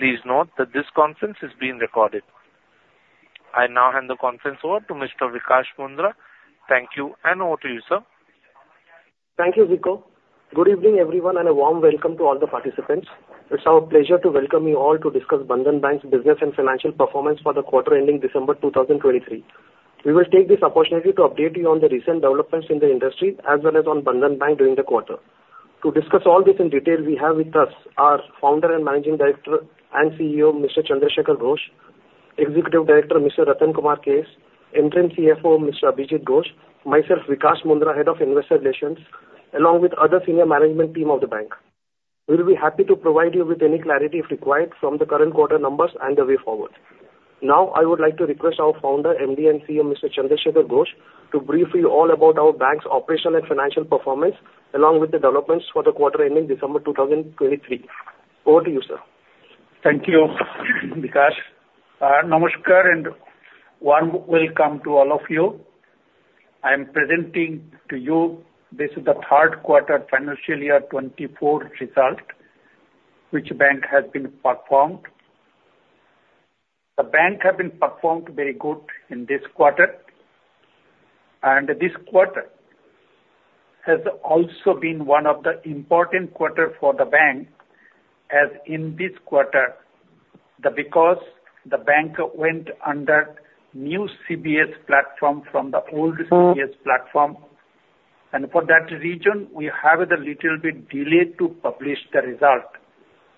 Please note that this conference is being recorded. I now hand the conference over to Mr. Vikash Mundhra. Thank you, and over to you, sir. Thank you, Rico. Good evening, everyone, and a warm welcome to all the participants. It's our pleasure to welcome you all to discuss Bandhan Bank's business and financial performance for the quarter ending December 2023. We will take this opportunity to update you on the recent developments in the industry as well as on Bandhan Bank during the quarter. To discuss all this in detail, we have with us our founder and Managing Director and CEO, Mr. Chandra Shekhar Ghosh; Executive Director, Mr. Ratan Kesh; Interim CFO, Mr. Abhijit Ghosh; myself, Vikash Mundhra, Head of Investor Relations, along with the other senior management team of the bank. We'll be happy to provide you with any clarity if required from the current quarter numbers and the way forward. Now, I would like to request our founder, MD and CEO, Mr. Shekhar Ghosh, to brief you all about our bank's operational and financial performance along with the developments for the quarter ending December 2023. Over to you, sir. Thank you, Vikash. Namaskar and warm welcome to all of you. I am presenting to you. This is the Q3 financial year 2024 result which the bank has been performed. The bank has been performed very good in this quarter, and this quarter has also been one of the important quarters for the bank as in this quarter because the bank went under new CBS platform from the old CBS platform. For that reason, we have a little bit delayed to publish the result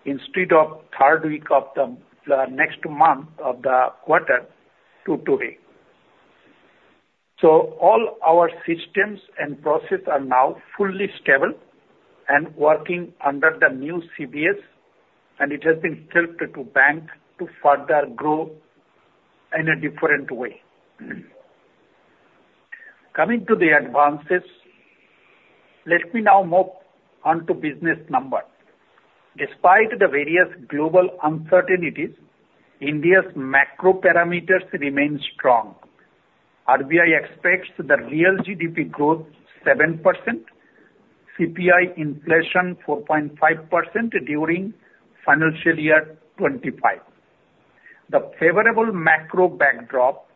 instead of third week of the next month of the quarter to today. So all our systems and processes are now fully stable and working under the new CBS, and it has been helped to the bank to further grow in a different way. Coming to the advances, let me now move on to business numbers. Despite the various global uncertainties, India's macro parameters remain strong. RBI expects the real GDP growth 7%, CPI inflation 4.5% during financial year 2025. The favorable macro backdrop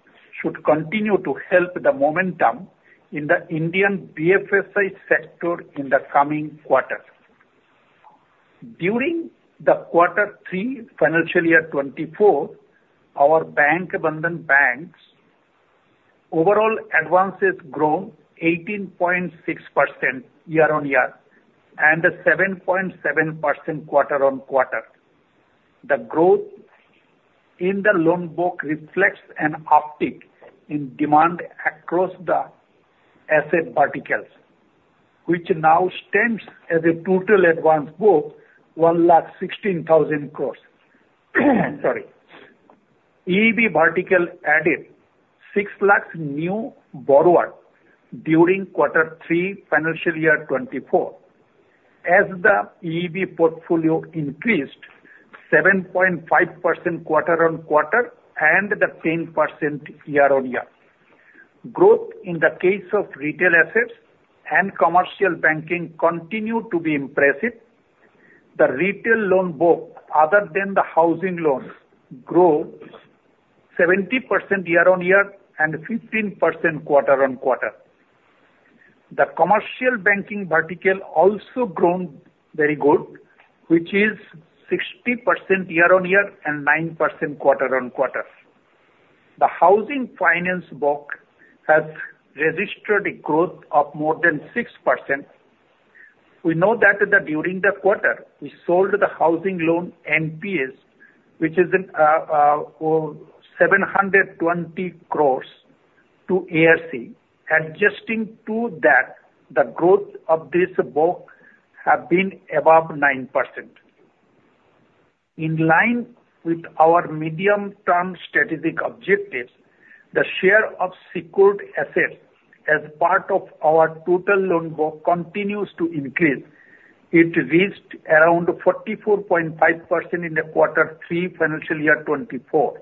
should continue to help the momentum in the Indian BFSI sector in the coming quarter. During the quarter three financial year 2024, our Bank Bandhan Bank's overall advances grown 18.6% year-on-year and 7.7% quarter-on-quarter. The growth in the loan book reflects an uptick in demand across the asset verticals, which now stands at a total advance book of 116,000 crore. Sorry. EEB vertical added 600,000 new borrowers during quarter three financial year 2024 as the EEB portfolio increased 7.5% quarter-on-quarter and 10% year-on-year. Growth in the case of retail assets and commercial banking continued to be impressive. The retail loan book, other than the housing loans, grew 70% year-on-year and 15% quarter-on-quarter. The commercial banking vertical also grown very good, which is 60% year-on-year and 9% quarter-on-quarter. The housing finance book has registered a growth of more than 6%. We know that during the quarter, we sold the housing loan NPAs, which is 720 crore, to ARC. Adjusting to that, the growth of this book has been above 9%. In line with our medium-term strategic objectives, the share of secured assets as part of our total loan book continues to increase. It reached around 44.5% in the quarter three financial year 2024,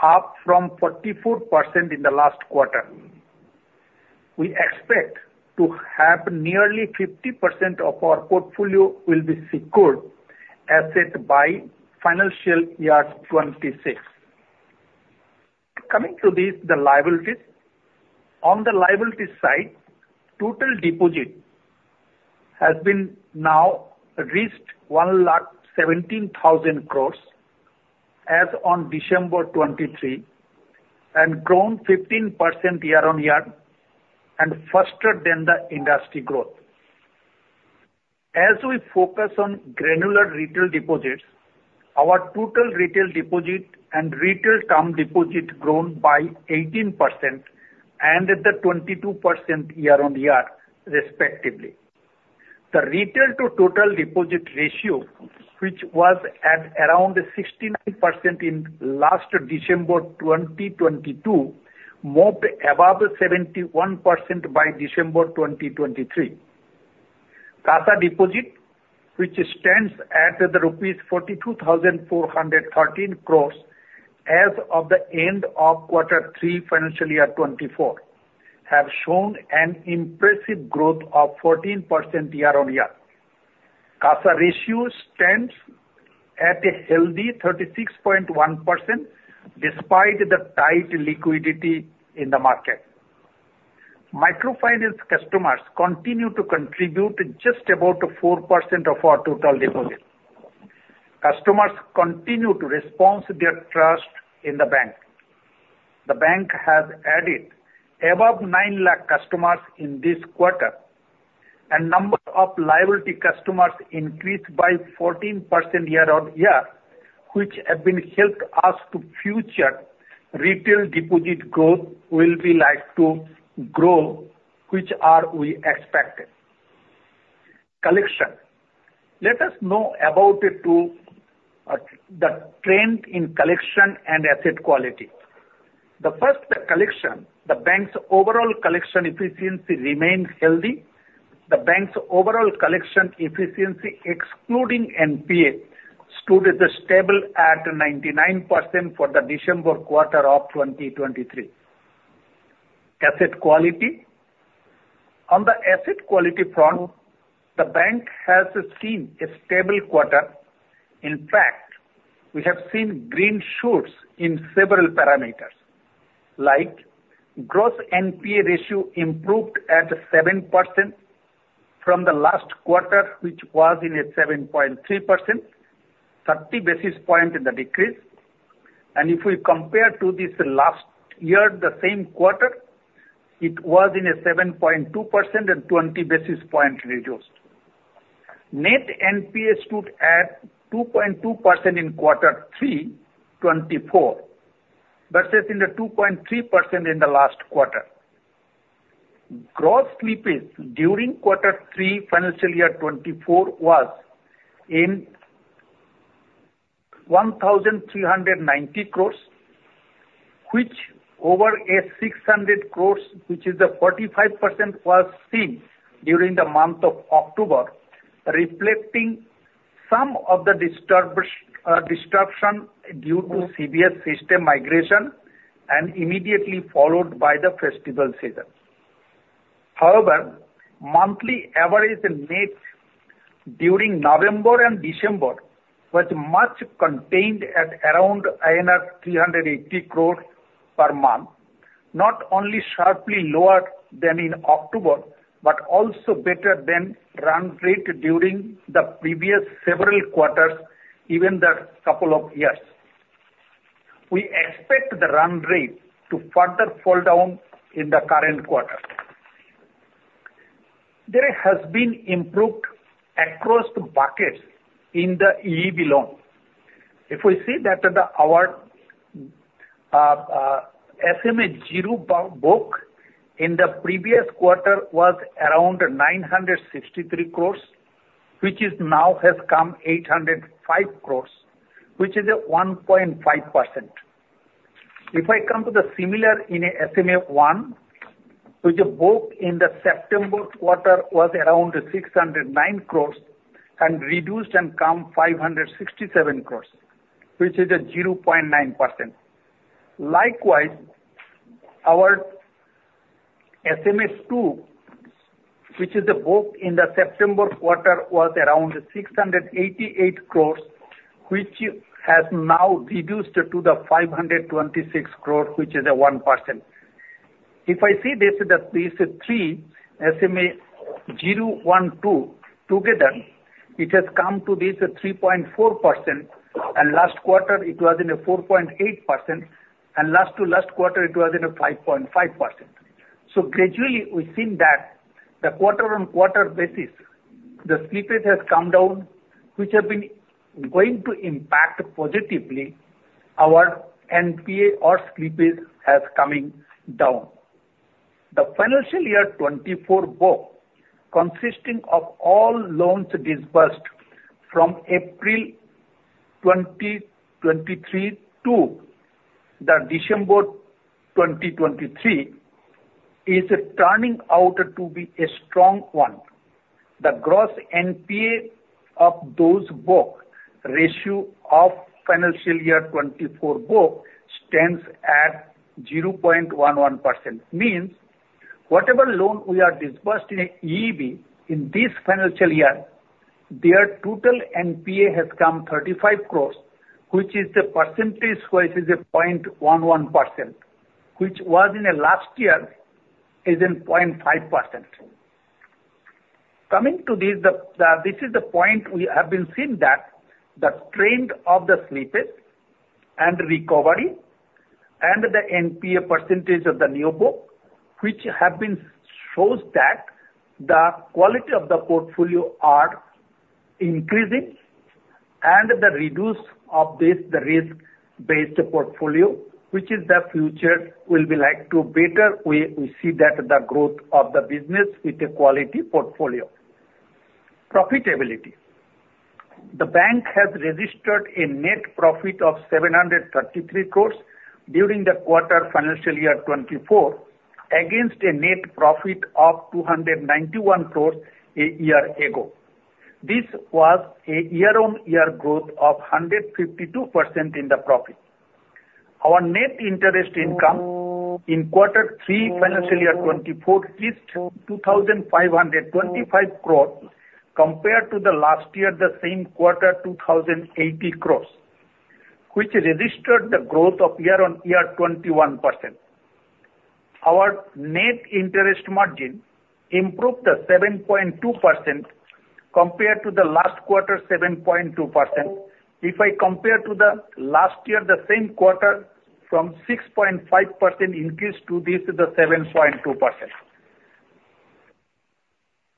up from 44% in the last quarter. We expect to have nearly 50% of our portfolio will be secured assets by financial year 2026. Coming to this, the liabilities. On the liabilities side, total deposit has been now reached 117,000 crore as on December 2023 and grown 15% year-on-year and faster than the industry growth. As we focus on granular retail deposits, our total retail deposit and retail term deposit grown by 18% and 22% year-on-year, respectively. The retail-to-total deposit ratio, which was at around 69% in last December 2022, moved above 71% by December 2023. CASA deposit, which stands at rupees 42,413 crore as of the end of quarter three financial year 2024, has shown an impressive growth of 14% year-on-year. CASA ratio stands at a healthy 36.1% despite the tight liquidity in the market. Microfinance customers continue to contribute just about 4% of our total deposit. Customers continue to respond to their trust in the bank. The bank has added above 9 lakh customers in this quarter, and the number of liability customers increased by 14% year-on-year, which have been helped us to future retail deposit growth will be likely to grow, which we expected. Collection. Let us know about the trend in collection and asset quality. The first, the collection. The bank's overall collection efficiency remained healthy. The bank's overall collection efficiency, excluding NPA, stood stable at 99% for the December quarter of 2023. Asset quality. On the asset quality front, the bank has seen a stable quarter. In fact, we have seen green shoots in several parameters, like gross NPA ratio improved at 7% from the last quarter, which was at 7.3%, 30 basis points in the decrease. And if we compare to this last year, the same quarter, it was at 7.2% and 20 basis points reduced. Net NPA stood at 2.2% in quarter three 2024 versus 2.3% in the last quarter. Gross slippage during quarter three financial year 2024 was 1,390 crores, which over 600 crores, which is 45%, was seen during the month of October, reflecting some of the disruption due to CBS system migration and immediately followed by the festival season. However, monthly average net during November and December was much contained at around INR 380 crores per month, not only sharply lower than in October but also better than run rate during the previous several quarters, even the couple of years. We expect the run rate to further fall down in the current quarter. There has been improvement across the buckets in the EEB loan. If we see that our SMA-0 book in the previous quarter was around 963 crores, which now has come to 805 crores, which is 1.5%. If I come to the similar in SMA-1, which book in the September quarter was around 609 crore and reduced and came to 567 crore, which is 0.9%. Likewise, our SMA-2, which is the book in the September quarter, was around 688 crore, which has now reduced to 526 crore, which is 1%. If I see this three SMA-0,1,2 together, it has come to 3.4%, and last quarter it was 4.8%, and last to last quarter it was 5.5%. So gradually, we've seen that the quarter-on-quarter basis, the slippage has come down, which has been going to impact positively our NPA or slippage has coming down. The financial year 2024 book, consisting of all loans disbursed from April 2023 to December 2023, is turning out to be a strong one. The gross NPA of those book ratio of financial year 2024 book stands at 0.11%. Means whatever loan we are disbursed in EEB in this financial year, their total NPA has come to 35 crore, which is the percentage which is 0.11%, which was in last year is 0.5%. Coming to this, this is the point we have been seeing that the trend of the slippage and recovery and the NPA percentage of the new book, which have been shows that the quality of the portfolio are increasing, and the reduced of this, the risk-based portfolio, which is the future will be likely to better. We see that the growth of the business with a quality portfolio. Profitability. The bank has registered a net profit of 733 crore during the quarter financial year 2024 against a net profit of 291 crore a year ago. This was a year-on-year growth of 152% in the profit. Our net interest income in quarter three financial year 2024 reached 2,525 crore compared to the last year, the same quarter 2,080 crore, which registered the growth of year-over-year 21%. Our net interest margin improved to 7.2% compared to the last quarter, 7.2%. If I compare to the last year, the same quarter from 6.5% increased to this 7.2%.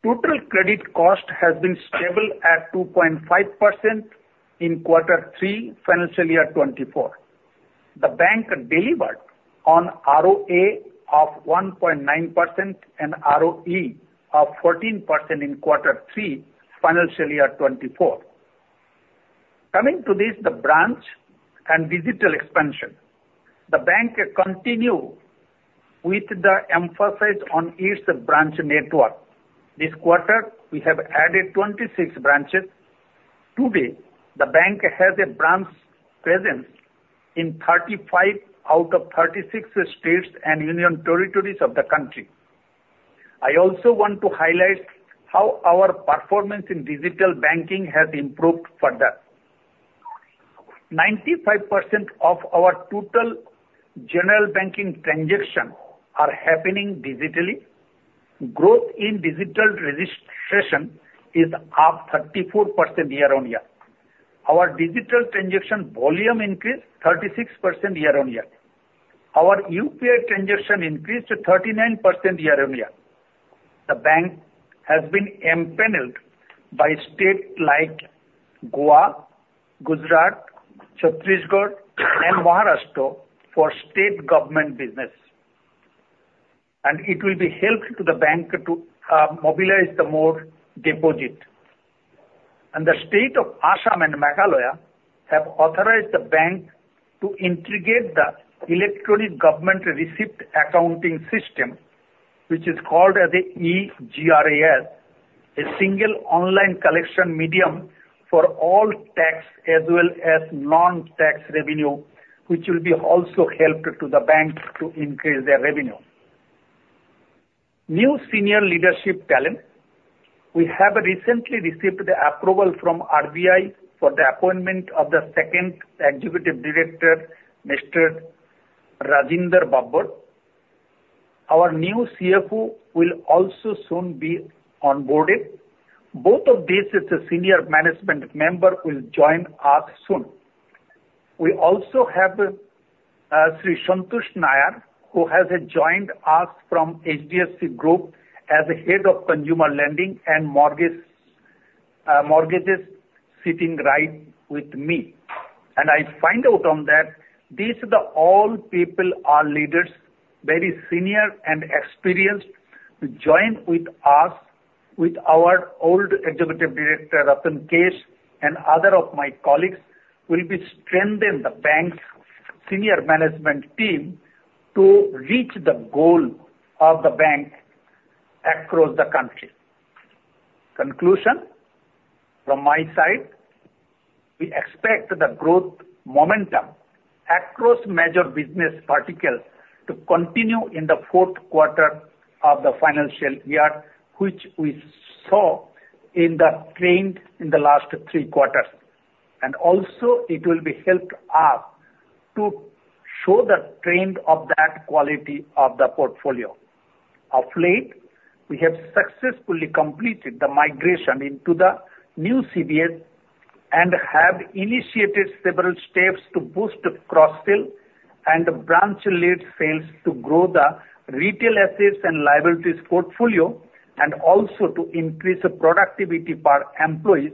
Total credit cost has been stable at 2.5% in quarter three financial year 2024. The bank delivered on ROA of 1.9% and ROE of 14% in quarter three financial year 2024. Coming to this, the branch and digital expansion. The bank continues with the emphasis on its branch network. This quarter, we have added 26 branches. Today, the bank has a branch presence in 35 out of 36 states and union territories of the country. I also want to highlight how our performance in digital banking has improved further. 95% of our total general banking transactions are happening digitally. Growth in digital registration is up 34% year-over-year. Our digital transaction volume increased 36% year-over-year. Our UPI transaction increased 39% year-over-year. The bank has been empaneled by states like Goa, Gujarat, Chhattisgarh, and Maharashtra for state government business. It will be helped to the bank to mobilize more deposits. The state of Assam and Meghalaya have authorized the bank to integrate the Electronic Government Receipt Accounting System, which is called the EGRAS, a single online collection medium for all tax as well as non-tax revenue, which will be also helped to the bank to increase their revenue. New senior leadership talent. We have recently received the approval from RBI for the appointment of the second executive director, Mr. Rajinder Babbar. Our new CFO will also soon be onboarded. Both of these, the senior management member will join us soon. We also have Sri Santosh G. Nair, who has joined us from HDFC Group as a head of consumer lending and mortgages sitting right with me. And I find out on that these all people are leaders, very senior and experienced. Join with us, with our old Executive Director, Ratan Kumar Kesh, and other of my colleagues will be strengthening the bank's senior management team to reach the goal of the bank across the country. Conclusion from my side, we expect the growth momentum across major business verticals to continue in the Q4 of the financial year, which we saw in the trend in the last three quarters. And also, it will be helped us to show the trend of that quality of the portfolio. Of late, we have successfully completed the migration into the new CBS and have initiated several steps to boost cross-sale and branch-led sales to grow the retail assets and liabilities portfolio and also to increase productivity for employees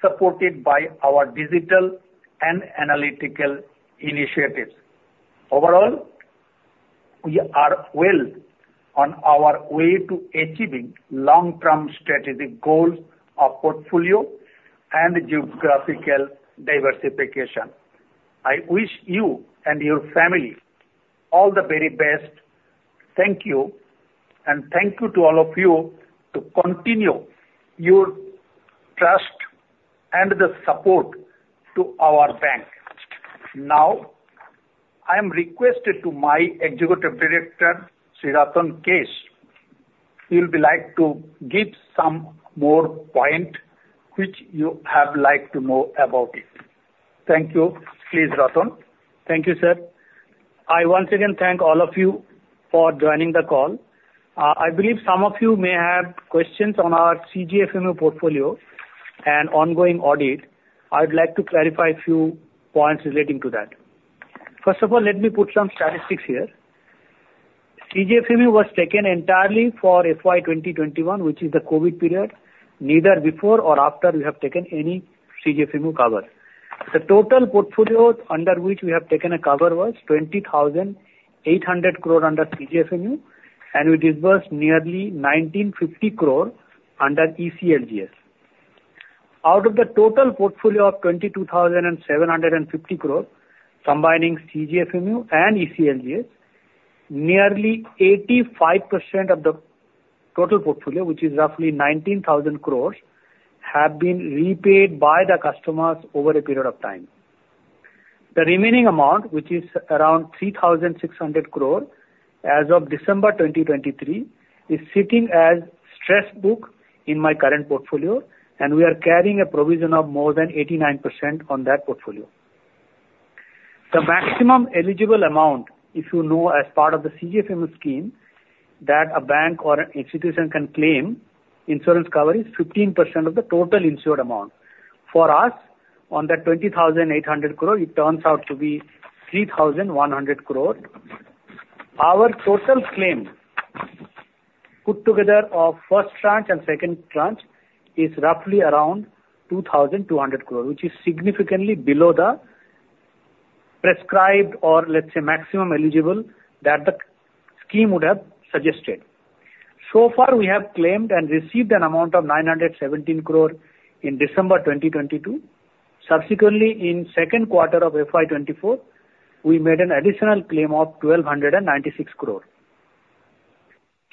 supported by our digital and analytical initiatives. Overall, we are well on our way to achieving long-term strategic goals of portfolio and geographical diversification. I wish you and your family all the very best. Thank you. And thank you to all of you to continue your trust and the support to our bank. Now, I am requested to my Executive Director, Sri Ratan Kesh, if you would like to give some more points, which you would like to know about it. Thank you. Please, Ratan. Thank you, sir. I once again thank all of you for joining the call. I believe some of you may have questions on our CGFMU portfolio and ongoing audit. I would like to clarify a few points relating to that. First of all, let me put some statistics here. CGFMU was taken entirely for FY 2021, which is the COVID period. Neither before nor after we have taken any CGFMU cover. The total portfolio under which we have taken a cover was 20,800 crores under CGFMU, and we disbursed nearly 1,950 crores under ECLGS. Out of the total portfolio of 22,750 crores, combining CGFMU and ECLGS, nearly 85% of the total portfolio, which is roughly 19,000 crores, have been repaid by the customers over a period of time. The remaining amount, which is around 3,600 crores as of December 2023, is sitting as stress book in my current portfolio, and we are carrying a provision of more than 89% on that portfolio. The maximum eligible amount, if you know as part of the CGFMU scheme that a bank or an institution can claim insurance cover is 15% of the total insured amount. For us, on the 20,800 crore, it turns out to be 3,100 crore. Our total claim put together of first tranche and second tranche is roughly around 2,200 crore, which is significantly below the prescribed or, let's say, maximum eligible that the scheme would have suggested. So far, we have claimed and received an amount of 917 crore in December 2022. Subsequently, in the Q2 of FY 2024, we made an additional claim of 1,296 crore.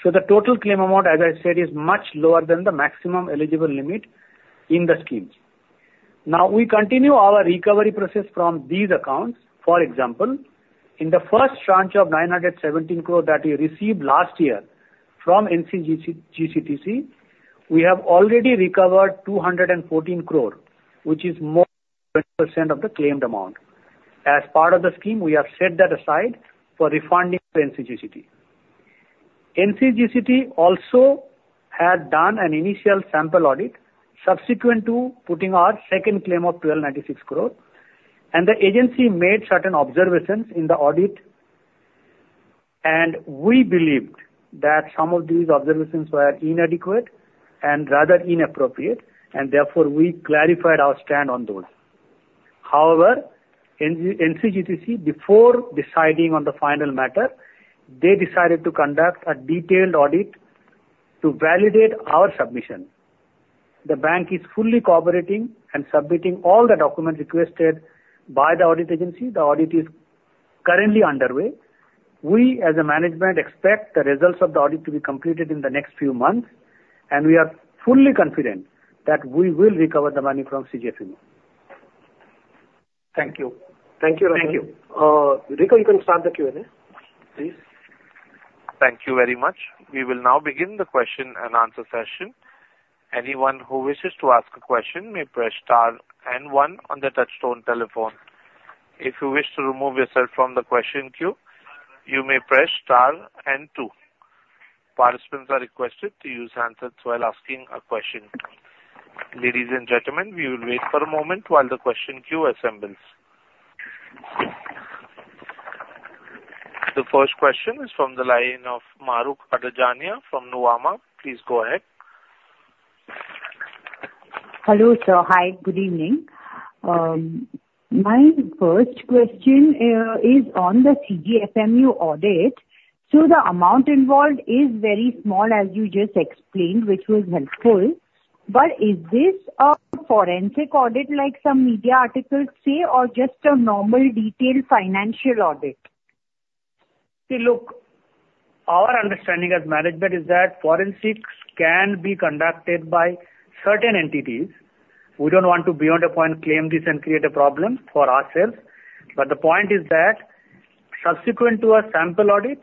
So the total claim amount, as I said, is much lower than the maximum eligible limit in the schemes. Now, we continue our recovery process from these accounts. For example, in the first tranche of 917 crore that we received last year from NCGTC, we have already recovered 214 crore, which is more than 20% of the claimed amount. As part of the scheme, we have set that aside for refunding to NCGTC. NCGTC also had done an initial sample audit subsequent to putting our second claim of 1,296 crore. The agency made certain observations in the audit, and we believed that some of these observations were inadequate and rather inappropriate, and therefore, we clarified our stand on those. However, NCGTC, before deciding on the final matter, they decided to conduct a detailed audit to validate our submission. The bank is fully cooperating and submitting all the documents requested by the audit agency. The audit is currently underway. We, as a management, expect the results of the audit to be completed in the next few months, and we are fully confident that we will recover the money from CGFMU. Thank you. Thank you, Ratan. Thank you. Riko, you can start the Q&A, please. Thank you very much. We will now begin the question and answer session. Anyone who wishes to ask a question may press star and one on the touchtone telephone. If you wish to remove yourself from the question queue, you may press star and two. Participants are requested to use handsets while asking a question. Ladies and gentlemen, we will wait for a moment while the question queue assembles. The first question is from the line of Mahrukh Adajania from Nuvama. Please go ahead. Hello, sir. Hi. Good evening. My first question is on the CGFMU audit. So the amount involved is very small, as you just explained, which was helpful. But is this a forensic audit like some media articles say, or just a normal detailed financial audit? See, look, our understanding as management is that forensics can be conducted by certain entities. We don't want to, beyond a point, claim this and create a problem for ourselves. But the point is that subsequent to a sample audit,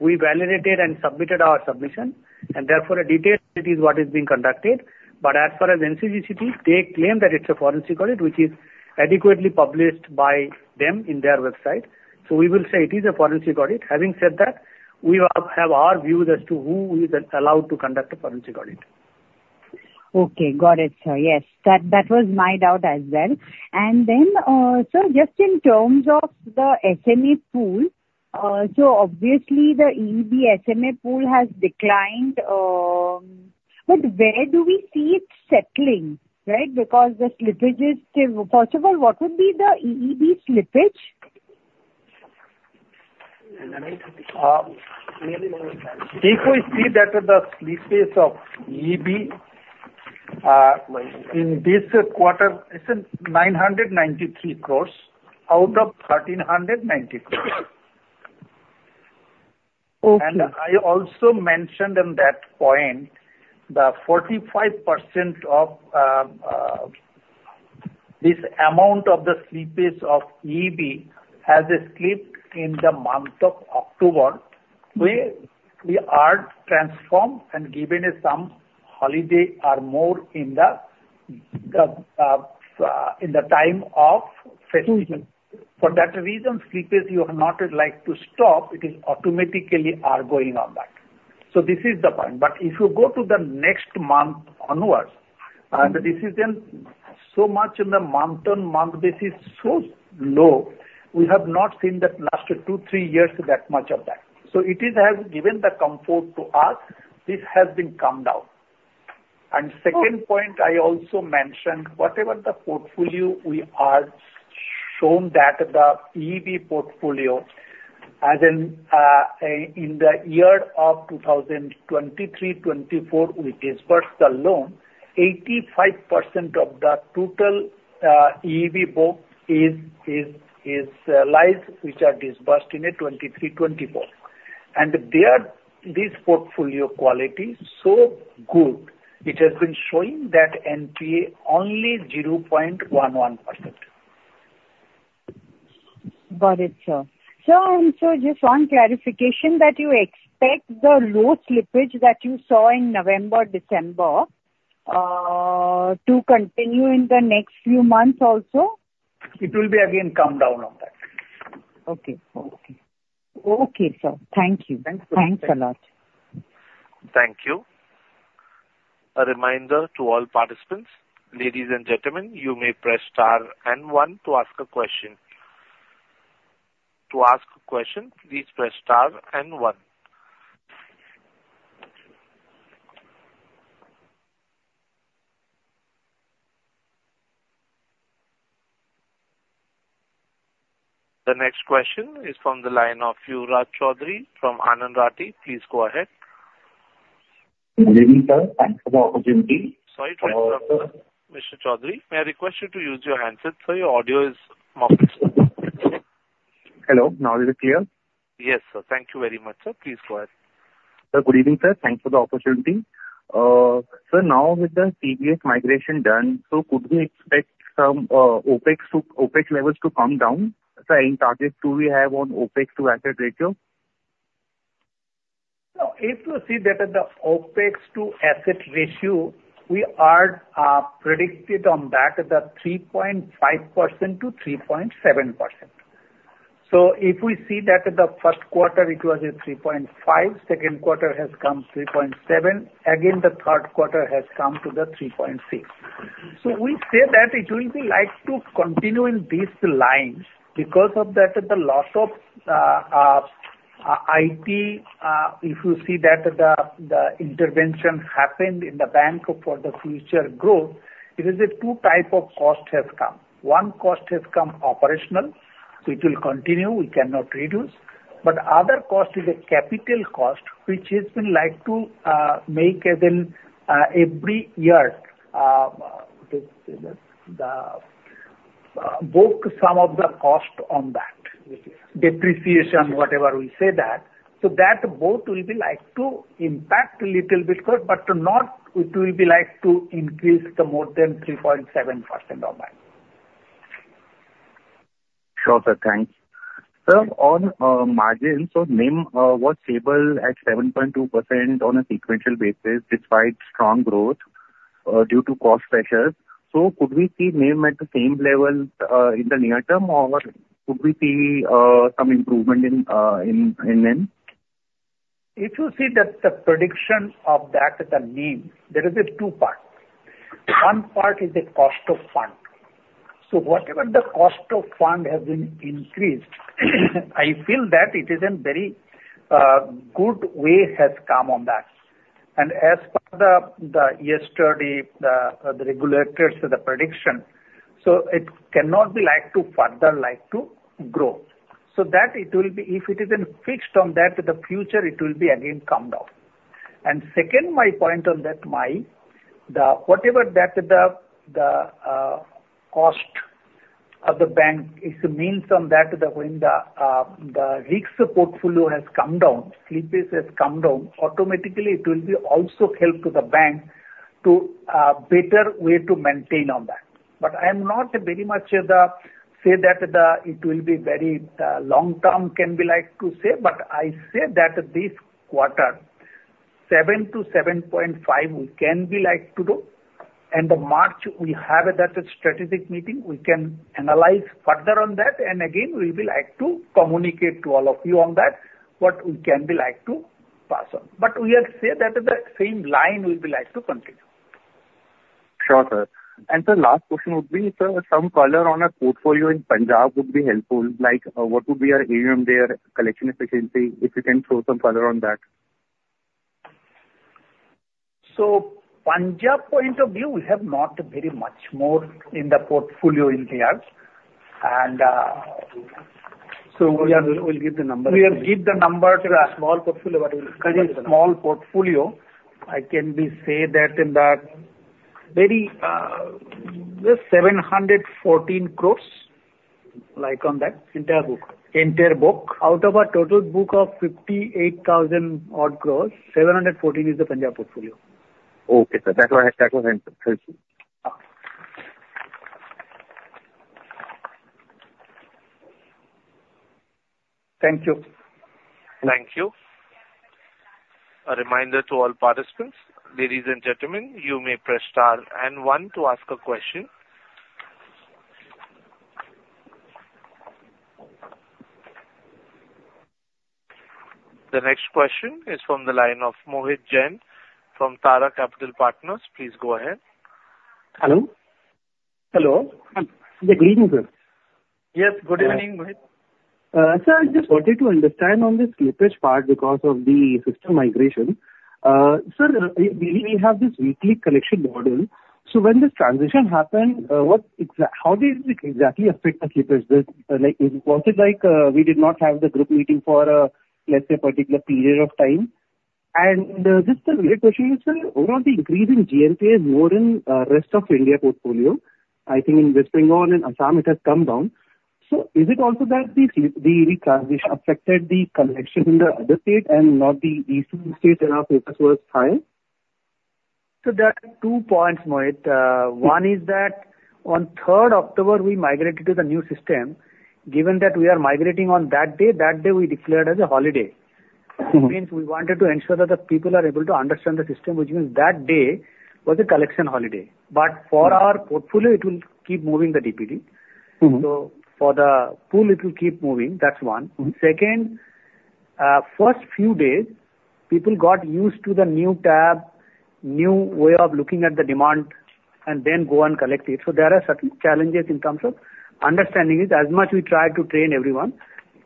we validated and submitted our submission, and therefore, a detailed audit is what is being conducted. But as far as NCGTC, they claim that it's a forensic audit, which is adequately published by them in their website. So we will say it is a forensic audit. Having said that, we have our views as to who is allowed to conduct a forensic audit. Okay. Got it, sir. Yes. That was my doubt as well. Then, sir, just in terms of the SME pool, so obviously, the EEB SME pool has declined. But where do we see it settling, right, because the slippages? First of all, what would be the EEB slippage? If we see that the slippage of EEB in this quarter, it's 993 crore out of 1,390 crore. And I also mentioned in that point, the 45% of this amount of the slippage of EEB has slipped in the month of October. We are transformed and given some holidays are more in the time of festival. For that reason, slippage, you have not liked to stop. It automatically is going on back. So this is the point. But if you go to the next month onwards, and this is then so much on the month-on-month basis, so low, we have not seen that last two, three years, that much of that. So it has given the comfort to us. This has been calmed down. And second point, I also mentioned, whatever the portfolio, we are shown that the EEB portfolio, as in the year of 2023-24, we disbursed the loan, 85% of the total EEB book is lies, which are disbursed in 2023-24. And this portfolio quality is so good, it has been showing that NPA only 0.11%. Got it, sir. Sir, I'm sorry, just one clarification that you expect the low slippage that you saw in November, December to continue in the next few months also? It will be again calmed down on that. Okay. Okay. Okay, sir. Thank you. Thanks a lot. Thank you. A reminder to all participants, ladies and gentlemen, you may press star and one to ask a question. To ask a question, please press star and one. The next question is from the line of Yuvraj Choudhary from Anand Rathi. Please go ahead. Good evening, sir. Thanks for the opportunity. Sorry, Mr. Chaudhary. May I request you to use your handset, sir? Your audio is muffled. Hello. Now is it clear? Yes, sir. Thank you very much, sir. Please go ahead. Sir, good evening, sir. Thanks for the opportunity. Sir, now with the CBS migration done, so could we expect some OPEX levels to come down? Is there any target too we have on OPEX-to-asset ratio? So, if you see that the OPEX-to-asset ratio, we are predicted on that at the 3.5%-3.7%. So if we see that in the Q1, it was 3.5%. Q2 has come 3.7%. Again, the Q3 has come to the 3.6%. So we say that it will be like to continue in this line because of that, the loss of IT, if you see that the intervention happened in the bank for the future growth, it is that two types of costs have come. One cost has come operational, so it will continue. We cannot reduce. But other cost is a capital cost, which has been like to make as in every year, book some of the cost on that, depreciation, whatever we say that. So that both will be like to impact a little bit because but not it will be like to increase the more than 3.7% on that. Sure, sir. Thanks. Sir, on margins, so NIM was stable at 7.2% on a sequential basis despite strong growth due to cost pressures. So could we see NIM at the same level in the near term, or could we see some improvement in NIM? If you see that the prediction of that, the NIM, there is two parts. One part is the cost of fund. So whatever the cost of fund has been increased, I feel that it isn't very good way has come on that. And as for the yesterday, the regulators' prediction, so it cannot be like to further like to grow. So that it will be if it isn't fixed on that, in the future, it will be again calmed down. And second, my point on that, whatever that the cost of the bank is a means on that, when the RICS portfolio has come down, slippage has come down, automatically, it will be also help to the bank to better way to maintain on that. But I am not very much say that it will be very long-term can be like to say, but I say that this quarter, 7-7.5, we can be like to do. And in March, we have that strategic meeting. We can analyze further on that. And again, we will be like to communicate to all of you on that what we can be like to pass on. But we have said that the same line will be like to continue. Sure, sir. And sir, last question would be, sir, some color on a portfolio in Punjab would be helpful. What would be our AUM there, collection efficiency, if you can throw some color on that? So Punjab point of view, we have not very much more in the portfolio in KRS. And so we will give the number. We have given the number to a small portfolio, but we will give the number. Because it's a small portfolio, I can say that in that very 714 crore on that entire book. Entire book? Out of a total book of 58,000-odd crore, 714 crore is the Punjab portfolio. Okay, sir. That was answered. Thank you. Thank you. Thank you. A reminder to all participants, ladies and gentlemen, you may press star and one to ask a question. The next question is from the line of Mohit Jain from Tara Capital Partners. Please go ahead. Hello? Hello? Yeah. Good evening, sir. Yes. Good evening, Mohit. Sir, I just wanted to understand on this slippage part because of the system migration. Sir, we have this weekly collection model. So when this transition happened, how did it exactly affect the slippage? Was it like we did not have the group meeting for, let's say, a particular period of time? Just a quick question, sir. Overall, the increase in GNPA is more in the rest of India portfolio. I think in West Bengal and Assam, it has come down. So is it also that the transition affected the collection in the other states and not the Eastern states where our focus was higher? So there are two points, Mohit. One is that on 3rd October, we migrated to the new system. Given that we are migrating on that day, that day we declared as a holiday. It means we wanted to ensure that the people are able to understand the system, which means that day was a collection holiday. But for our portfolio, it will keep moving the DPD. So for the pool, it will keep moving. That's one. Second, first few days, people got used to the new tab, new way of looking at the demand, and then go and collect it. So there are certain challenges in terms of understanding it. As much as we tried to train everyone,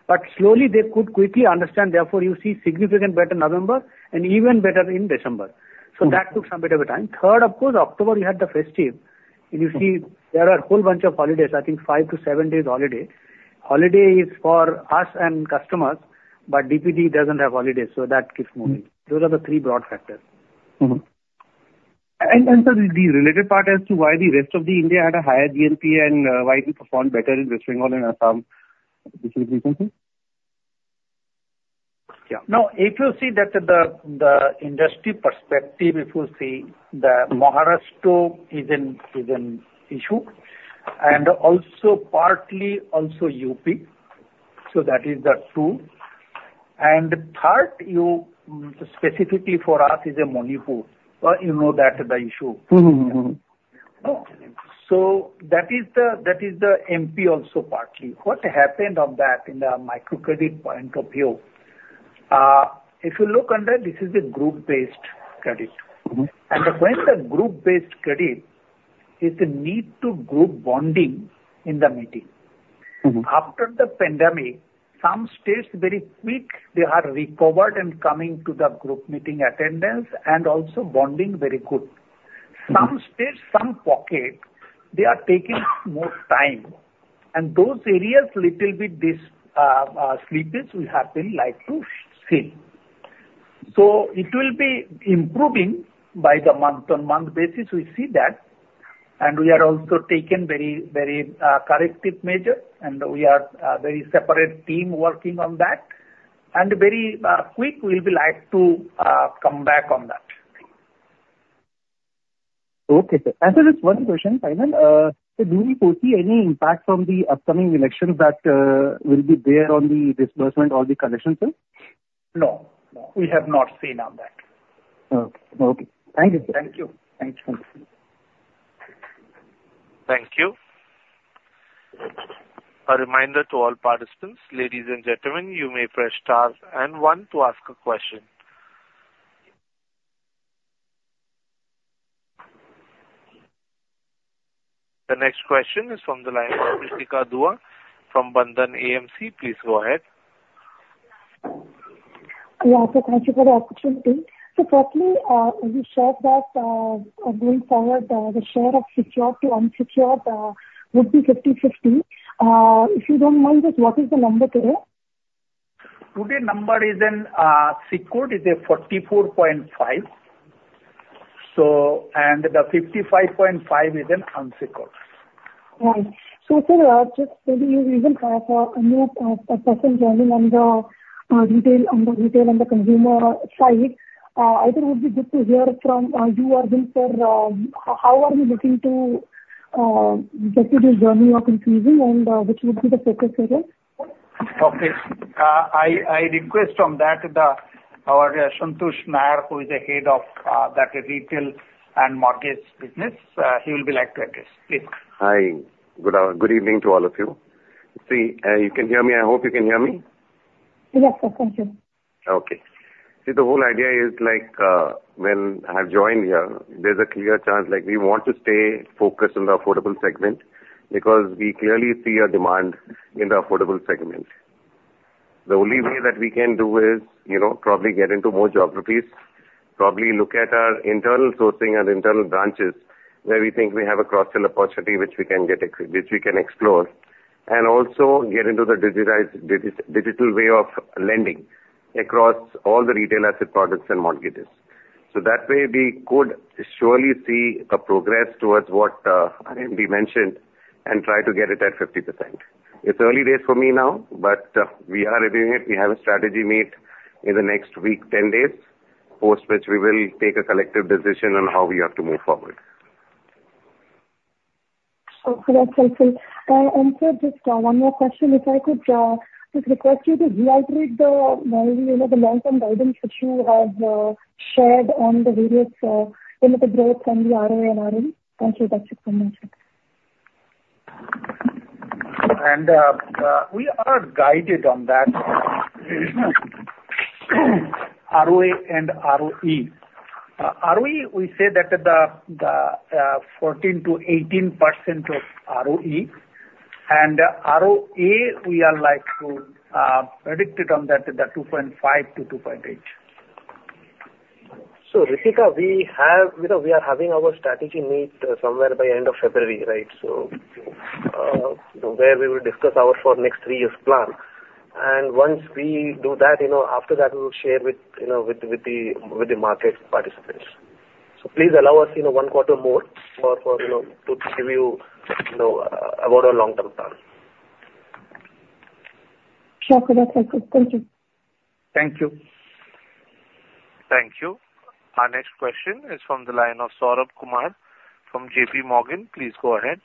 but slowly, they could quickly understand. Therefore, you see significantly better November and even better in December. So that took some bit of a time. Third, of course, October, you had the festive. And you see there are a whole bunch of holidays, I think 5-7 days holiday. Holiday is for us and customers, but DPD doesn't have holidays, so that keeps moving. Those are the three broad factors. And sir, the related part as to why the rest of India had a higher GNP and why it performed better in West Bengal and Assam, this is the reason? Yeah. No, if you see that the industry perspective, if you see that Maharashtra is an issue and partly also UP, so that is the two. And third, specifically for us, is Manipur. You know that the issue. So that is the Manipur also partly. What happened on that in the microcredit point of view? If you look under it, this is a group-based credit. And when the group-based credit is the need to group bonding in the meeting. After the pandemic, some states, very quick, they are recovered and coming to the group meeting attendance and also bonding very good. Some states, some pocket, they are taking more time. And those areas, little bit, this slippage will happen like to see. So it will be improving by the month-on-month basis. We see that. We are also taking very, very corrective measures, and we are a very separate team working on that. Very quick, we'll be like to come back on that. Okay, sir. Sir, just one question, final. Sir, do we foresee any impact from the upcoming elections that will be there on the disbursement or the collection, sir? No. No. We have not seen on that. Okay. Okay. Thank you, sir. Thank you. Thank you. Thank you. A reminder to all participants, ladies and gentlemen, you may press star and one to ask a question. The next question is from the line of Ritika Dua from Bandhan AMC. Please go ahead. Yeah. So, thank you for the opportunity. So, firstly, we shared that going forward, the share of secured to unsecured would be 50/50. If you don't mind, what is the number today? Today's number is in secured is 44.5. And the 55.5 is in unsecured. Right. So, sir, just maybe you even have a new person joining on the retail and the consumer side. Either would be good to hear from you or him, sir, how are you looking to get to this journey of increasing and which would be the focus area? Okay. I request on that our Santosh Nair, who is the head of that retail and mortgage business. He will be like to address. Please. Hi. Good evening to all of you. See, you can hear me? I hope you can hear me. Yes, sir. Thank you. Okay. See, the whole idea is when I joined here, there's a clear chance we want to stay focused on the affordable segment because we clearly see a demand in the affordable segment. The only way that we can do is probably get into more geographies, probably look at our internal sourcing and internal branches where we think we have a cross-sell opportunity which we can explore, and also get into the digital way of lending across all the retail asset products and mortgages. So that way, we could surely see a progress towards what RMD mentioned and try to get it at 50%. It's early days for me now, but we are reviewing it. We have a strategy meet in the next week, 10 days, post which we will take a collective decision on how we have to move forward. So, sir, that's helpful. And sir, just one more question. If I could just request you to reiterate the long-term guidance that you have shared on the various limited growth and the ROA and ROE. Thank you. That's it from me, sir. We are guided on that ROA and ROE. ROE, we say that the 14%-18% ROE. And ROA, we are like to predict it on that the 2.5%-2.8%. So, Rishika, we are having our strategy meet somewhere by the end of February, right? So where we will discuss our next three-year plan. And once we do that, after that, we will share with the market participants. So please allow us one quarter more to give you about our long-term plan. Sure, sir. That's helpful. Thank you. Thank you. Thank you. Our next question is from the line of Saurabh Kumar from JPMorgan. Please go ahead.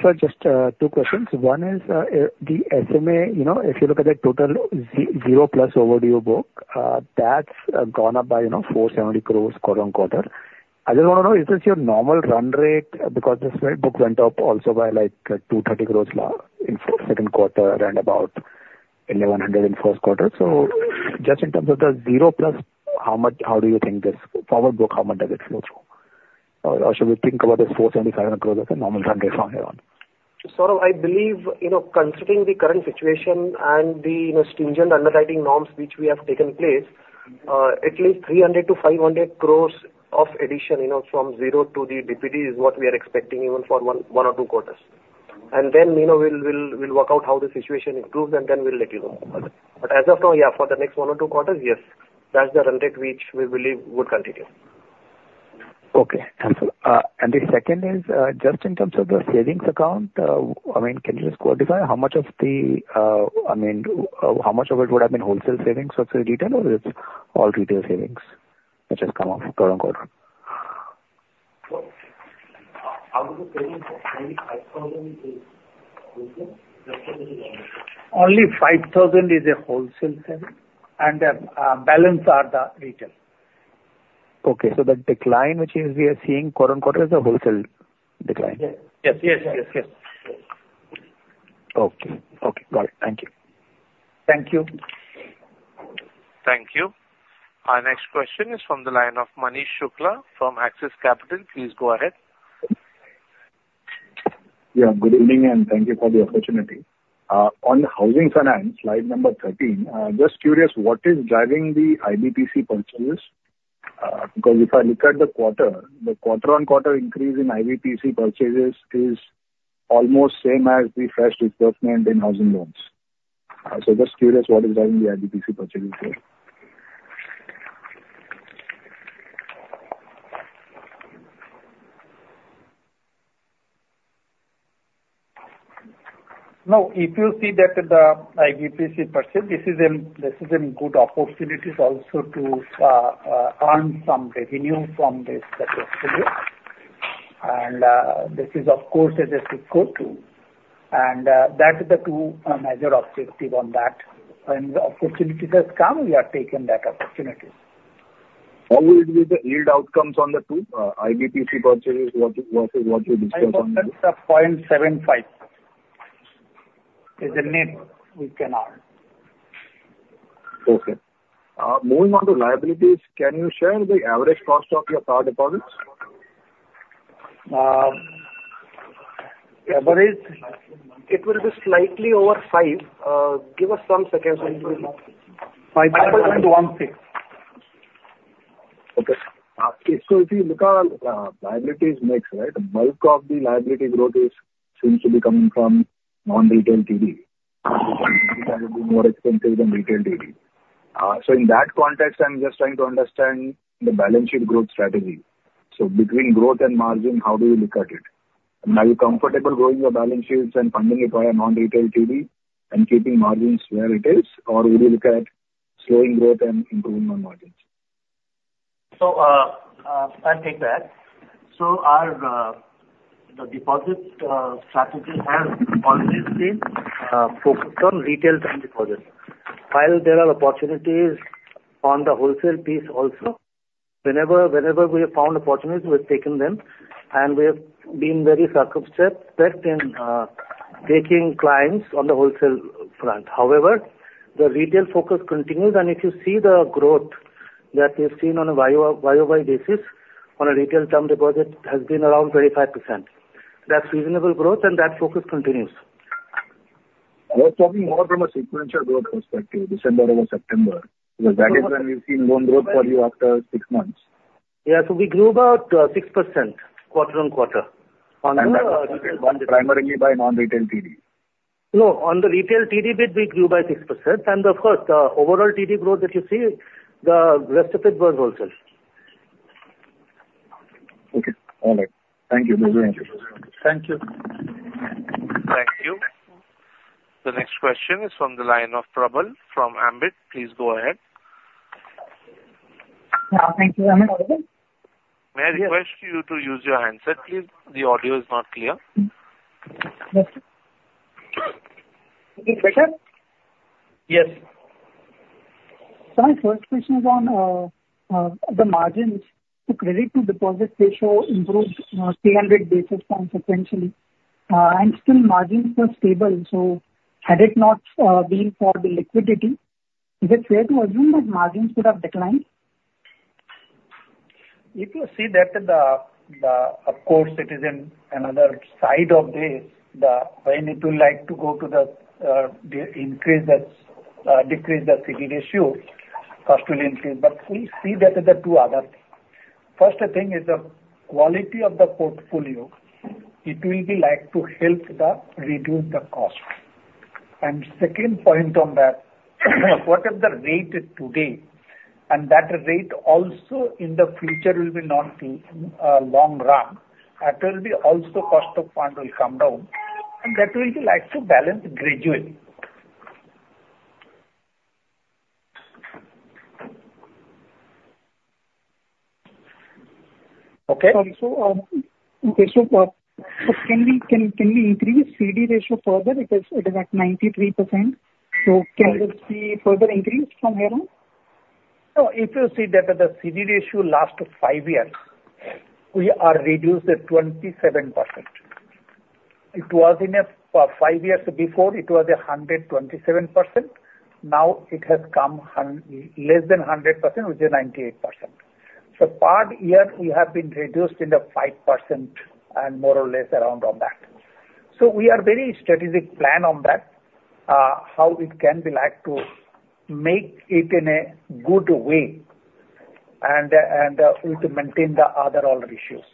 Sir, just two questions. One is the SMA. If you look at the total zero-plus overdue book, that's gone up by 470 crore quarter-on-quarter. I just want to know, is this your normal run rate because this book went up also by 230 crore in Q2 and about 1,100 crore in Q1? So just in terms of the zero-plus, how do you think this forward book, how much does it flow through? Or should we think about this 475 crore as a normal run rate from here on? Saurabh, I believe considering the current situation and the stringent underwriting norms which we have taken place, at least 300 crore-500 crore of addition from zero to the DPD is what we are expecting even for one or two quarters. And then we'll work out how the situation improves, and then we'll let you know. But as of now, yeah, for the next one or two quarters, yes, that's the run rate which we believe would continue. Okay. The second is just in terms of the savings account, I mean, can you just quantify how much of the I mean, how much of it would have been wholesale savings or to retail, or it's all retail savings that has come up quarter-over-quarter? How does the savings of only 5,000 is wholesale? Just because it is only. Only 5,000 is a wholesale saving, and the balance are the retail. Okay. So the decline which we are seeing quarter-over-quarter is a wholesale decline? Yes. Yes. Yes. Yes. Yes. Okay. Okay. Got it. Thank you. Thank you. Thank you. Our next question is from the line of Manish Shukla from Axis Capital. Please go ahead. Yeah. Good evening, and thank you for the opportunity. On housing finance, slide number 13, just curious, what is driving the IBPC purchases? Because if I look at the quarter, the quarter-on-quarter increase in IBPC purchases is almost same as the fresh disbursement in housing loans. So just curious, what is driving the IBPC purchases here? No, if you see that the IBPC purchase, this is a good opportunity also to earn some revenue from this portfolio. And this is, of course, a good tool. And that's the two major objectives on that. When the opportunities have come, we are taking that opportunities. How would you say the yield outcomes on the two, IBPC purchases versus what you discussed on the? I think that's a 0.75 is the net we can earn. Okay. Moving on to liabilities, can you share the average cost of your CASA deposits? Average? It will be slightly over 5. Give us some seconds. 5.1 to 6.1. Okay. So if you look at liabilities mix, right, bulk of the liability growth seems to be coming from non-retail TD. Retail TD tends to be more expensive than retail TD. So in that context, I'm just trying to understand the balance sheet growth strategy. So between growth and margin, how do you look at it? Are you comfortable growing your balance sheets and funding it via non-retail TD and keeping margins where it is, or would you look at slowing growth and improving on margins? So I'll take that. So the deposit strategy has always been focused on retail time deposits. While there are opportunities on the wholesale piece also, whenever we have found opportunities, we have taken them. And we have been very circumspect in taking clients on the wholesale front. However, the retail focus continues. If you see the growth that we've seen on a year-by-year basis, on a retail time deposit, has been around 25%. That's reasonable growth, and that focus continues. We're talking more from a sequential growth perspective, December over September, because that is when we've seen loan growth for you after six months. Yeah. So we grew about 6% quarter-on-quarter on the retail bond. And that was primarily by non-retail TD? No, on the retail TD bid, we grew by 6%. And of course, the overall TD growth that you see, the rest of it was wholesale. Okay. All right. Thank you. Thank you. Thank you. Thank you. The next question is from the line of Prabal from Ambit. Please go ahead. Yeah. Thank you, Amit. May I request you to use your handset, please? The audio is not clear. Yes, sir. Is it better? Yes. Sir, my first question is on the margins. The credit-to-deposit ratio improved 300 basis points sequentially. Still, margins were stable. So had it not been for the liquidity, is it fair to assume that margins would have declined? If you see that, of course, it is another side of this. When it will like to go to the increase that decrease the CD ratio, cost will increase. But we see that the two other things. First thing is the quality of the portfolio. It will be like to help reduce the cost. And second point on that, what if the rate today and that rate also in the future will be not long run? It will be also cost of fund will come down. And that will be like to balance gradually. Okay. So, sir, can we increase CD ratio further because it is at 93%? So can this be further increased from here on? No, if you see that the CD ratio last five years, we are reduced at 27%. It was in five years before, it was 127%. Now, it has come less than 100%, which is 98%. So part year, we have been reduced in the 5% and more or less around on that. So we are very strategic plan on that, how it can be like to make it in a good way and to maintain the other all ratios.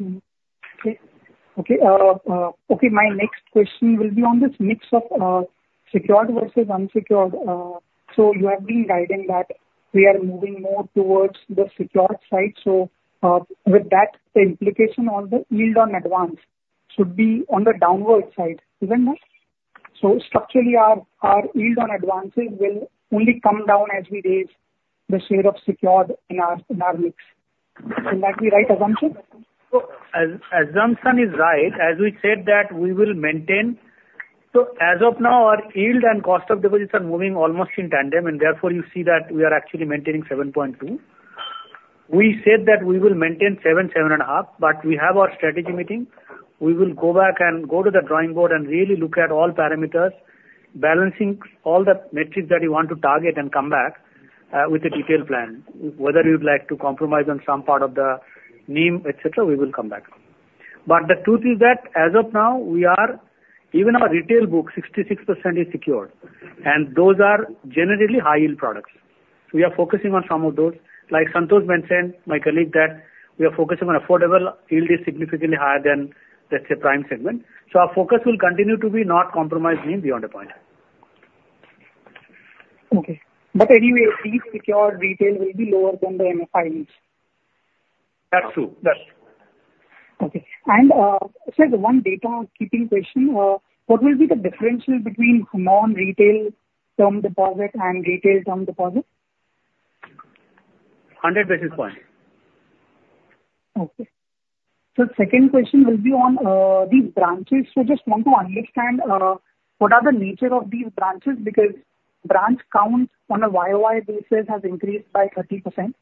Okay. Okay. Okay. My next question will be on this mix of secured versus unsecured. So you have been guiding that we are moving more towards the secured side. So with that, the implication on the yield on advance should be on the downward side, isn't that? So structurally, our yield on advances will only come down as we raise the share of secured in our mix. Can that be right assumption? So, assumption is right. As we said that we will maintain so as of now, our yield and cost of deposits are moving almost in tandem. And therefore, you see that we are actually maintaining 7.2%. We said that we will maintain 7%-7.5%. But we have our strategy meeting. We will go back and go to the drawing board and really look at all parameters, balancing all the metrics that you want to target and come back with a detailed plan. Whether you'd like to compromise on some part of the NIM, etc., we will come back. But the truth is that as of now, even our retail book, 66% is secured. And those are generally high-yield products. So we are focusing on some of those. Like Shantanu mentioned, my colleague, that we are focusing on affordable. Yield is significantly higher than, let's say, prime segment. So our focus will continue to be not compromise NIM beyond a point. Okay. But anyway, the secured retail will be lower than the MFI yield. That's true. That's true. Okay. And sir, one data-keeping question. What will be the differential between non-retail term deposit and retail term deposit? 100 basis points. Okay. So second question will be on these branches. So I just want to understand what are the nature of these branches because branch count on a year-by-year basis has increased by 30%.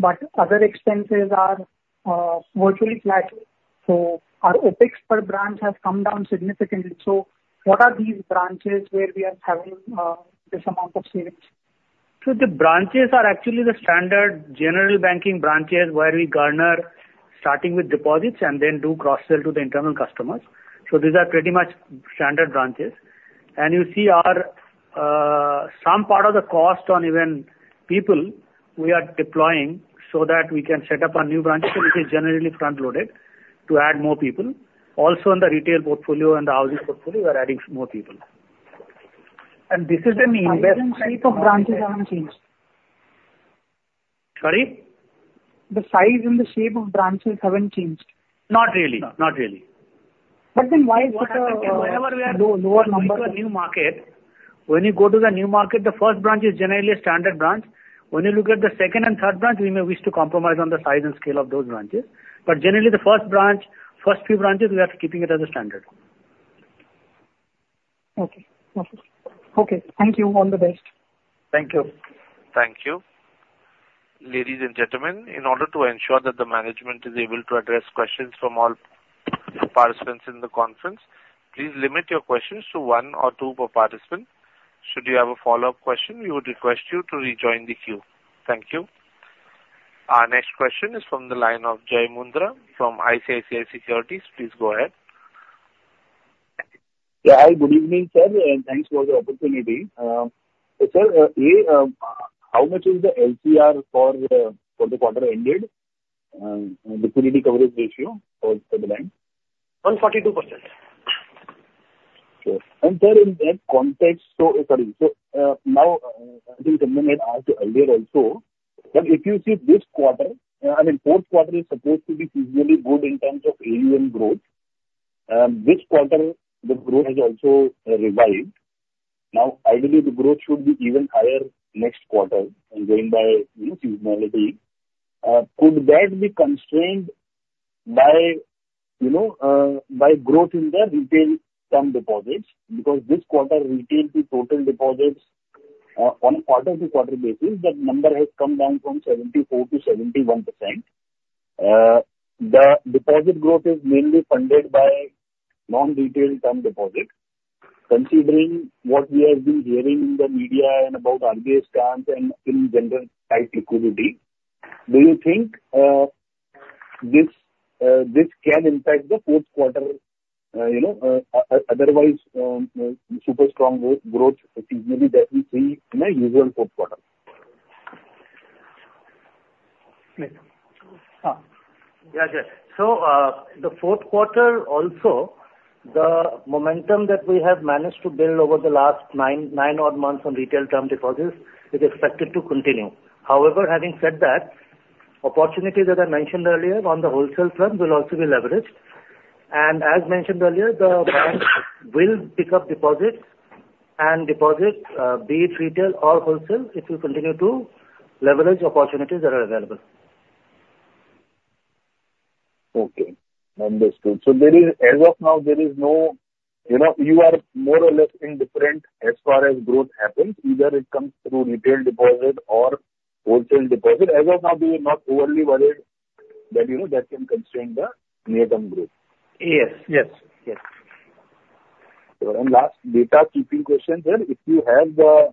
But other expenses are virtually flat. So our OPEX per branch has come down significantly. So what are these branches where we are having this amount of savings? Sir, the branches are actually the standard general banking branches where we garner, starting with deposits, and then do cross-sell to the internal customers. So these are pretty much standard branches. And you see some part of the cost on even people we are deploying so that we can set up a new branch. So this is generally front-loaded to add more people. Also, in the retail portfolio and the housing portfolio, we are adding more people. And this is the investment. And the size and shape of branches haven't changed. Sorry? The size and the shape of branches haven't changed. Not really. Not really. But then why is it a lower number? When you go to a new market when you go to the new market, the first branch is generally a standard branch. When you look at the second and third branch, we may wish to compromise on the size and scale of those branches. But generally, the first few branches, we are keeping it as a standard. Okay. Okay. Okay. Thank you. All the best. Thank you. Thank you. Ladies and gentlemen, in order to ensure that the management is able to address questions from all participants in the conference, please limit your questions to one or two per participant. Should you have a follow-up question, we would request you to rejoin the queue. Thank you. Our next question is from the line of Jai Mundhra from ICICI Securities. Please go ahead. Yeah. Hi. Good evening, sir. And thanks for the opportunity. Sir, how much is the LCR for the quarter ended, liquidity coverage ratio for the bank? 142%. Sure. And sir, in that context so sorry. So now, I think, as I mentioned earlier also, that if you see this quarter I mean, Q4 is supposed to be seasonally good in terms of AUM growth. This quarter, the growth has also revived. Now, ideally, the growth should be even higher next quarter and going by seasonality. Could that be constrained by growth in the retail term deposits? Because this quarter, retail to total deposits, on a quarter-to-quarter basis, that number has come down from 74%-71%. The deposit growth is mainly funded by non-retail term deposits. Considering what we have been hearing in the media and about RBI scams and in general tight liquidity, do you think this can impact the Q4 otherwise super strong growth seasonally that we see in a usual Q4? Yes. Yes. So the Q4, also, the momentum that we have managed to build over the last nine-odd months on retail term deposits is expected to continue. However, having said that, opportunities that I mentioned earlier on the wholesale front will also be leveraged. And as mentioned earlier, the banks will pick up deposits and deposits, be it retail or wholesale, it will continue to leverage opportunities that are available. Okay. Understood. So as of now, there is no you are more or less indifferent as far as growth happens, either it comes through retail deposit or wholesale deposit. As of now, do you not overly worry that that can constrain the near-term growth? Yes. Yes. Yes. And last housekeeping question, sir. If you have the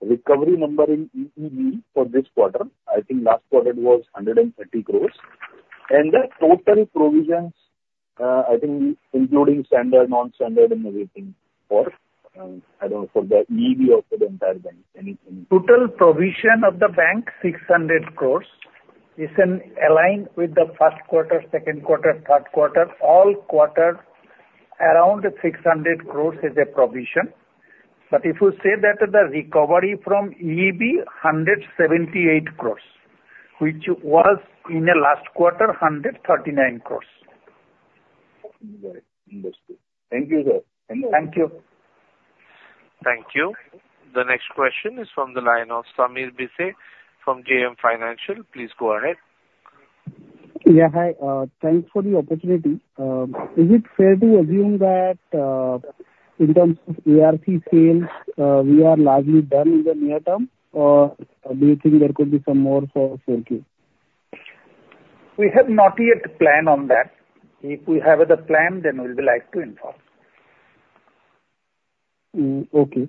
recovery number in EEB for this quarter, I think last quarter it was 130 crore. The total provisions, I think, including standard, non-standard, and everything for I don't know, for the EEB of the entire bank, any. Total provision of the bank, 600 crore, is aligned with the Q1, Q2, Q3. All quarters, around 600 crore is a provision. But if you say that the recovery from EEB, 178 crore, which was in the last quarter, 139 crore. Right. Understood. Thank you, sir. Thank you. Thank you. The next question is from the line of Sameer Bhise from JM Financial. Please go ahead. Yeah. Hi. Thanks for the opportunity. Is it fair to assume that in terms of ARC sales, we are largely done in the near term, or do you think there could be some more for Q4? We have not yet planned on that. If we have other plan, then we'll like to inform. Okay.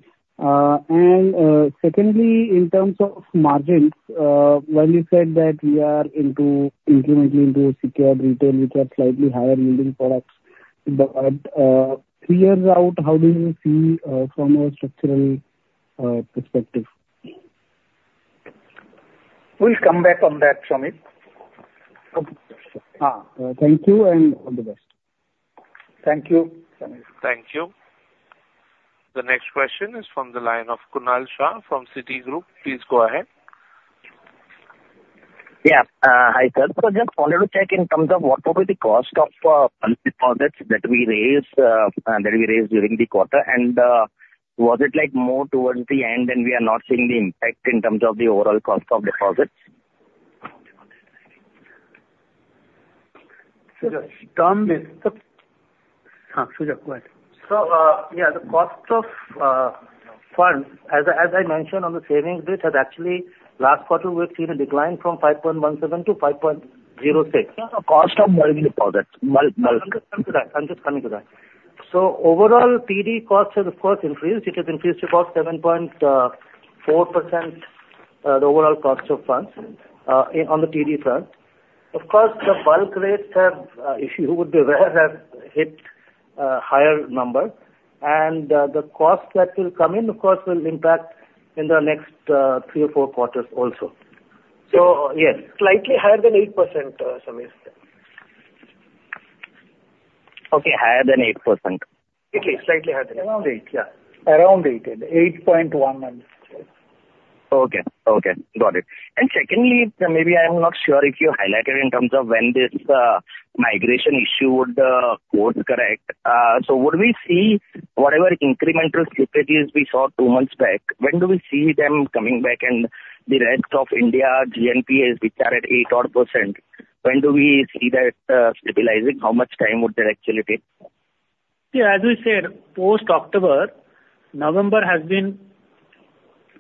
Secondly, in terms of margins, when you said that we are incrementally into secured retail, which are slightly higher-yielding products, but three years out, how do you see from a structural perspective? We'll come back on that, Samir. Thank you. And all the best. Thank you, Samir. Thank you. The next question is from the line of Kunal Shah from Citigroup. Please go ahead. Yeah. Hi, sir. So just wanted to check in terms of what will be the cost of term deposits that we raise during the quarter? And was it more towards the end, and we are not seeing the impact in terms of the overall cost of deposits? Sujoy Roy, go ahead. Sujoy, go ahead. So yeah, the cost of funds, as I mentioned on the savings bit, has actually last quarter, we've seen a decline from 5.17 to 5.06. Yeah. Cost of bulk deposits. Bulk. Bulk. I'm just coming to that. I'm just coming to that. So overall, TD cost has, of course, increased. It has increased to about 7.4%, the overall cost of funds on the TD front. Of course, the bulk rates have, if you would be aware, have hit a higher number. And the cost that will come in, of course, will impact in the next three or four quarters also. So yes. Slightly higher than 8%, Samir. Okay. Higher than 8%. Slightly higher than 8%. Around eight. Yeah. Around eight. And 8.1 and. Okay. Okay. Got it. And secondly, maybe I am not sure if you highlighted in terms of when this migration issue would quote correct. So would we see whatever incremental slippages we saw two months back, when do we see them coming back? And the rest of India GNPA, which are at 8%-odd, when do we see that stabilizing? How much time would that actually take? Yeah. As we said, post-October, November has been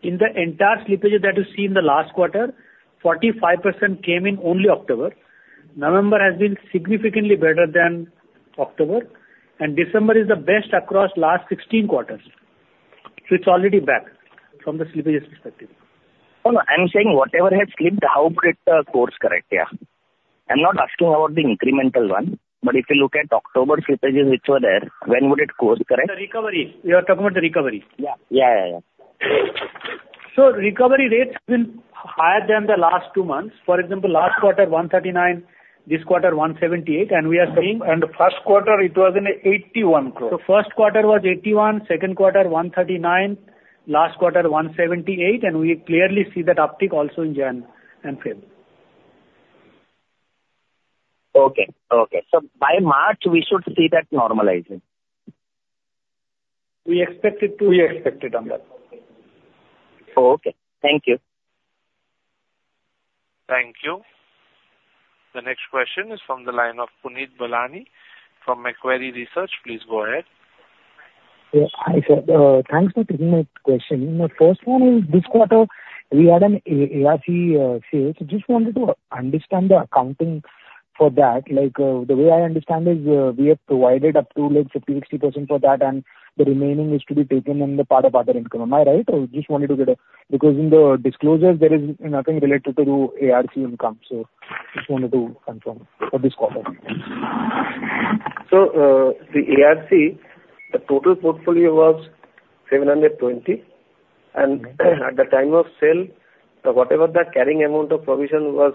in the entire slippage that you see in the last quarter, 45% came in only October. November has been significantly better than October. And December is the best across last 16 quarters. So it's already back from the slippages perspective. Oh, no. I'm saying whatever has slipped, how would it cure? Yeah. I'm not asking about the incremental one. But if you look at October slippages, which were there, when would it cure? The recovery. You are talking about the recovery. Yeah. Yeah. Yeah. Yeah. So recovery rates have been higher than the last two months. For example, last quarter, 139. This quarter, 178. And we are seeing. The Q1, it was INR 81 crore. Q1 was 81 Q2, inr 139 crore. Last quarter, 178 crore. And we clearly see that uptick also in January and February. Okay. Okay. So by March, we should see that normalizing. We expected to. We expected on that. Okay. Thank you. Thank you. The next question is from the line of Punit Bahlani from Macquarie Research. Please go ahead. Yeah. Hi, sir. Thanks for taking my question. My first one is this quarter, we had an ARC sale. So just wanted to understand the accounting for that. The way I understand is we have provided up to 50-60% for that, and the remaining is to be taken in the part of other income. Am I right? Or just wanted to get a because in the disclosures, there is nothing related to ARC income. So just wanted to confirm for this quarter. So the ARC, the total portfolio was 720 crore. And at the time of sale, whatever the carrying amount of provision was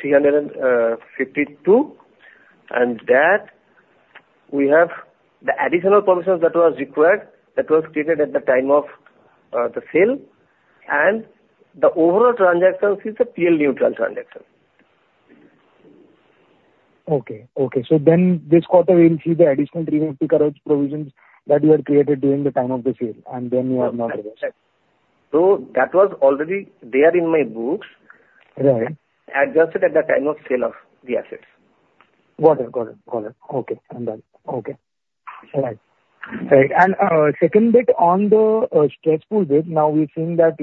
352 crore. And we have the additional provisions that was required that was created at the time of the sale. And the overall transaction is a PL neutral transaction. Okay. Okay. So then this quarter, we'll see the additional 350 crore provisions that you had created during the time of the sale. And then you have not reversed. So that was already there in my books, adjusted at the time of sale of the assets. Got it. Got it. Got it. Okay. Okay. Right. Right. And second bit on the stressful bit, now we're seeing that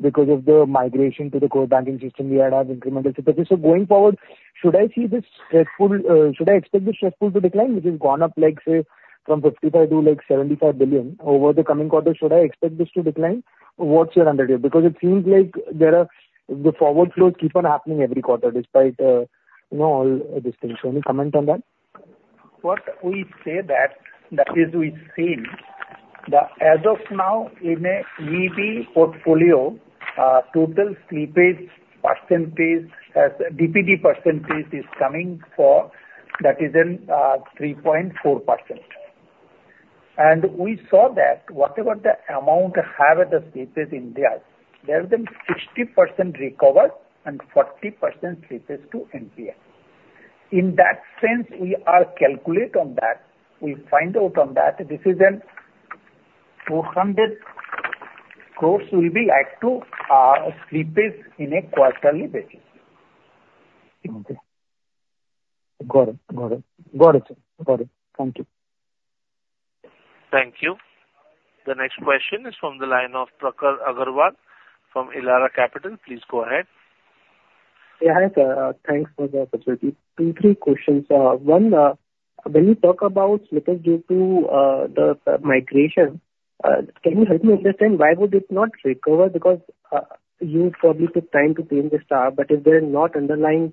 because of the migration to the core banking system, we had had incremental slippages. So going forward, should I see this stressed, should I expect this stressed to decline, which has gone up, say, from 55 billion to 75 billion over the coming quarter? Should I expect this to decline? What's your view? Because it seems like the forward flows keep on happening every quarter despite all these things. So any comment on that? What we say that is we see that as of now, in an EEB portfolio, total slippage percentage as DPD percentage is coming for that is in 3.4%. And we saw that whatever the amount have at the slippage in there, there are then 60% recovered and 40% slippage to NPA. In that sense, we are calculate on that. We find out on that this is an 200 crore will be added to our slippage in a quarterly basis. Okay. Got it. Got it. Got it, sir. Got it. Thank you. Thank you. The next question is from the line of Prakhar Agarwal from Elara Capital. Please go ahead. Yeah. Hi, sir. Thanks for the opportunity. Two, three questions. One, when you talk about slippage due to the migration, can you help me understand why would it not recover? Because you probably took time to paying the star, but if there are not underlying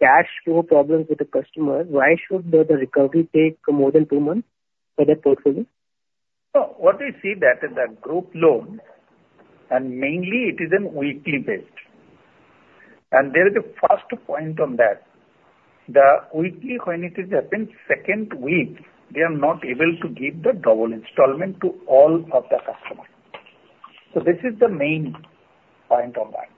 cash flow problems with the customers, why should the recovery take more than two months for their portfolio? So what we see that in the group loan, and mainly, it is in weekly basis. And there is a fast point on that. The weekly, when it has happened second week, they are not able to give the double installment to all of the customers. So this is the main point on that.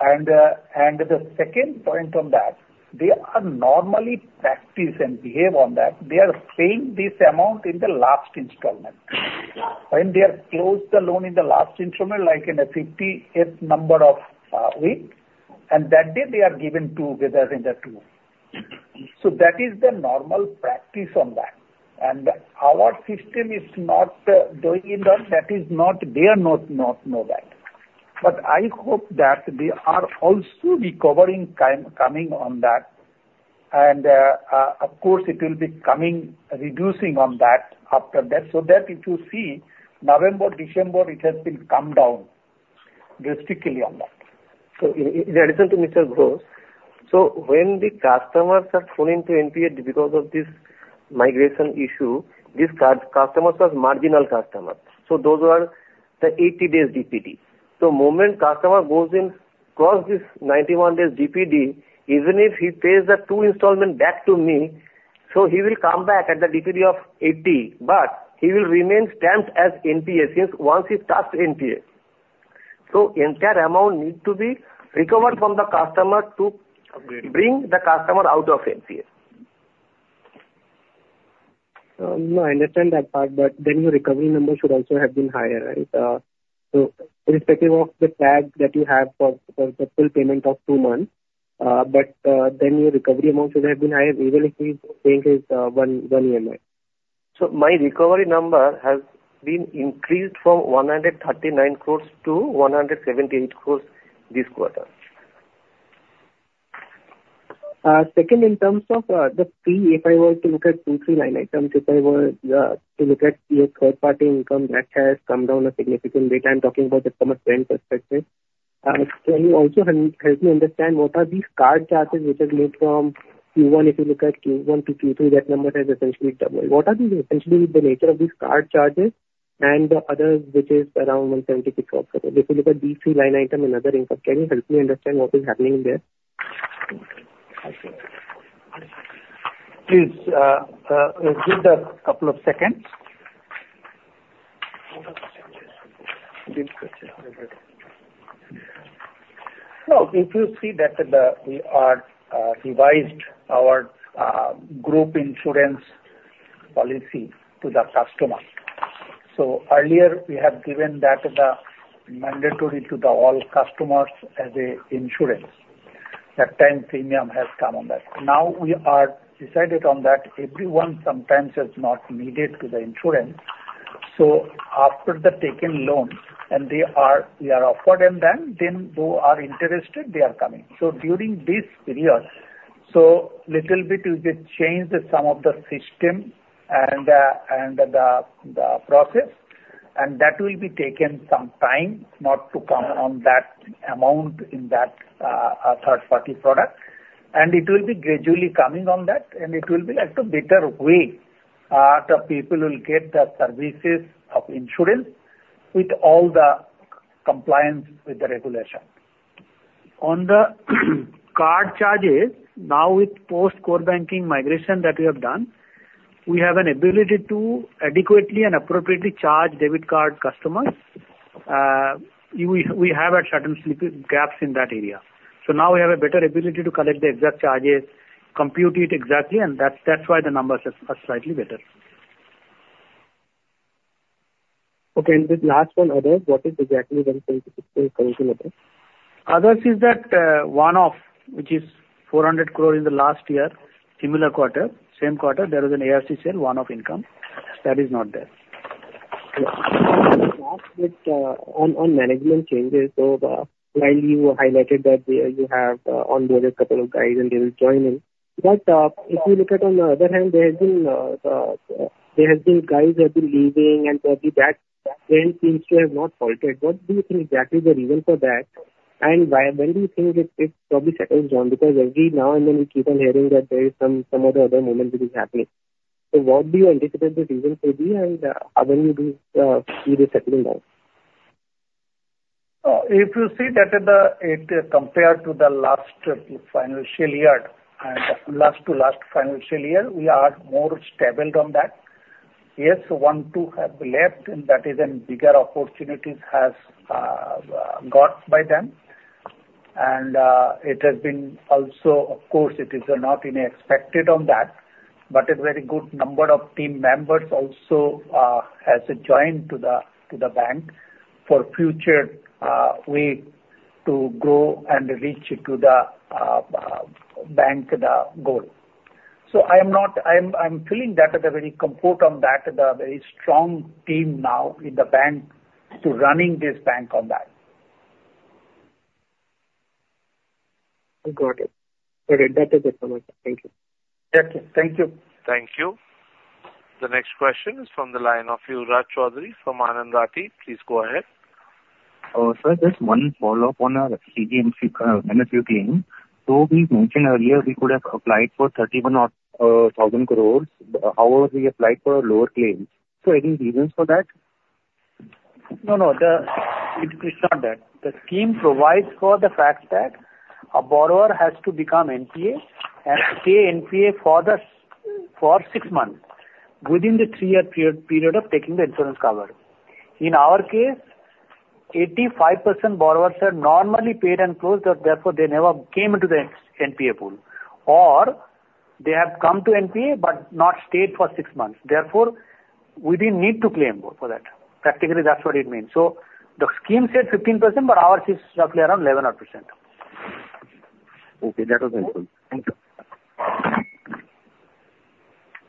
And the second point on that, they are normally practice and behave on that. They are paying this amount in the last installment when they have closed the loan in the last installment, like in the 50th week. And that day, they are given together in the two. So that is the normal practice on that. And our system is not doing that. They are not know that. But I hope that they are also recovering, coming on that. And of course, it will be reducing on that after that. So that if you see November, December, it has been come down drastically on that. So in addition to Mr. Ghosh, so when the customers are falling to NPA because of this migration issue, these customers are marginal customers. So those are the 80 days DPD. So the moment customer goes in, crosses this 91 days DPD, even if he pays the two installment back to me, so he will come back at the DPD of 80, but he will remain stamped as NPA since once he starts NPA. So entire amount need to be recovered from the customer to bring the customer out of NPA. No, I understand that part. But then your recovery number should also have been higher, right? So respective of the tag that you have for the full payment of two months, but then your recovery amount should have been higher even if he's paying his one EMI. So my recovery number has been increased from 139 crore to 178 crore this quarter. Second, in terms of the fee, if I were to look at 239 items, if I were to look at your third-party income, that has come down a significant bit. I'm talking about the consumer spend perspective. Can you also help me understand what are these card charges which are made from Q1? If you look at Q1 to Q3, that number has essentially doubled. What are essentially the nature of these card charges and the others, which is around 176 crore? If you look at D3 line item and other income, can you help me understand what is happening there? Please give that a couple of seconds. No, if you see that we are revised our group insurance policy to the customer. So earlier, we have given that mandatory to the all customers as an insurance. That time premium has come on that. Now we are decided on that everyone sometimes has not needed to the insurance. So after the taken loan, and we are offered them then, then those are interested, they are coming. So during this period, so little bit we will change some of the system and the process. And that will be taken some time not to come on that amount in that third-party product. And it will be gradually coming on that. And it will be like a better way that people will get the services of insurance with all the compliance with the regulation. On the card charges, now with post-core banking migration that we have done, we have an ability to adequately and appropriately charge debit card customers. We have certain gaps in that area. So now we have a better ability to collect the exact charges, compute it exactly. That's why the numbers are slightly better. Okay. And the last one, others, what is exactly INR 176 crores in others? Others is that one-off, which is 400 crores in the last year, similar quarter, same quarter; there was an ARC sale, one-off income. That is not there. Last bit on management changes, so finally, you highlighted that you have onboarded a couple of guys, and they will join in. But if you look at on the other hand, there have been guys who have been leaving, and probably that trend seems to have not halted. What do you think exactly is the reason for that? And when do you think it probably settles down? Because every now and then, we keep on hearing that there is some other movement which is happening. So what do you anticipate the reason for this, and when do you see this settling down? If you see that compared to the last financial year and last to last financial year, we are more stable on that. Yes, one-two have left, and that is then bigger opportunities has got by them. And it has been also, of course, it is not unexpected on that, but a very good number of team members also has joined to the bank for future way to grow and reach to the bank goal. So I'm feeling that at a very comfort on that, the very strong team now in the bank to running this bank on that. Got it. Got it. That is it for me. Thank you. Thank you. Thank you. Thank you. The next question is from the line of Yuvraj Choudhary from Anand Rathi. Please go ahead. Sir, just one follow-up on our CGFMU claim. So we mentioned earlier we could have applied for 31,000 crore. However, we applied for a lower claim. So any reasons for that? No, no. It's not that. The scheme provides for the fact that a borrower has to become NPA and stay NPA for six months within the three-year period of taking the insurance cover. In our case, 85% borrowers are normally paid and closed. Therefore, they never came into the NPA pool. Or they have come to NPA but not stayed for six months. Therefore, we didn't need to claim for that. Practically, that's what it means. So the scheme said 15%, but ours is roughly around 11%. Okay. That was helpful. Thank you.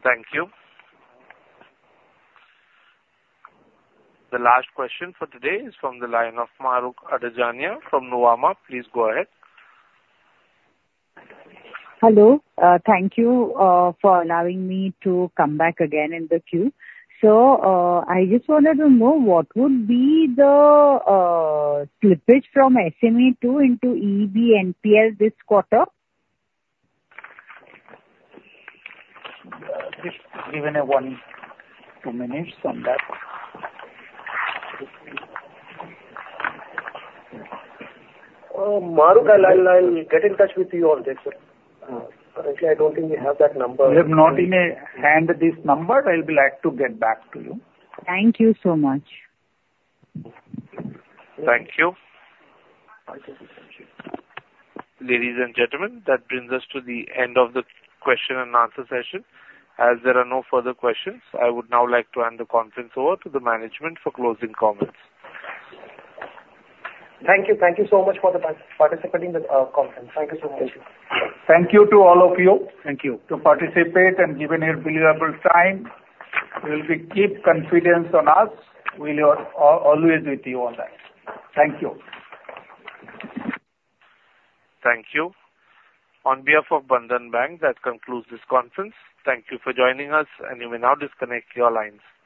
Thank you. The last question for today is from the line of Mahrukh Adajania from Nuvama. Please go ahead. Hello. Thank you for allowing me to come back again in the queue. So I just wanted to know what would be the slippage from SMA 2 into EEB NPL this quarter? Just give me one or two minutes on that. Marouk, I'll get in touch with you on this, sir. Currently, I don't think we have that number. You have not in hand this number? I'll be glad to get back to you. Thank you so much. Thank you. Ladies and gentlemen, that brings us to the end of the question and answer session. As there are no further questions, I would now like to hand the conference over to the management for closing comments. Thank you. Thank you so much for participating in the conference. Thank you so much. Thank you. Thank you to all of you to participate and give your valuable time. We will keep confidence in us. We'll always be with you on that. Thank you. Thank you. On behalf of Bandhan Bank, that concludes this conference. Thank you for joining us, and you may now disconnect your lines.